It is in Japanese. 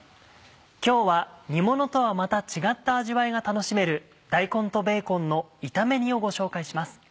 今日は煮ものとはまた違った味わいが楽しめる「大根とベーコンの炒め煮」をご紹介します。